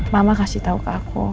mama kasih tahu ke aku